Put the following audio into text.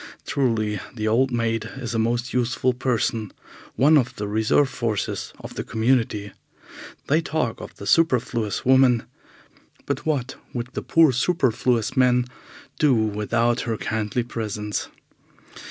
Truly, the old maid is a most useful person, one of the reserve forces of the community. They talk of the superfluous woman, but what would the poor superfluous man do without her kindly presence?